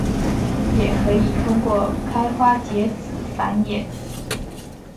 也可以通过开花结籽繁衍。